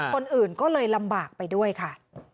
คนอื่นก็เลยลำบากไปด้วยค่ะ